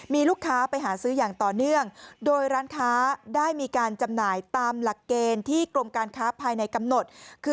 มีลูกค้าไปหาซื้ออย่างต่อเนื่องโดยร้านค้าได้มีการจำหน่ายตามหลักเกณฑ์ที่กรมการค้าภายในกำหนดคือ